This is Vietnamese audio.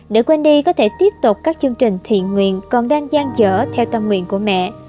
để quên đi có thể tiếp tục các chương trình thiện nguyện còn đang gian dở theo tâm nguyện của mẹ